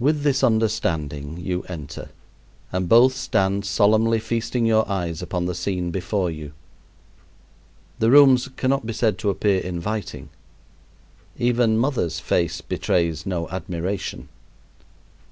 With this understanding you enter, and both stand solemnly feasting your eyes upon the scene before you. The rooms cannot be said to appear inviting. Even "mother's" face betrays no admiration.